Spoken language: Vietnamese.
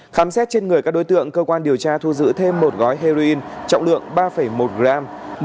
khám xét trên người các đối tượng cơ quan điều tra thu giữ thêm một gói heroin trọng lượng ba một gram